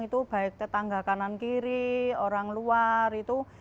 itu baik tetangga kanan kiri orang luar itu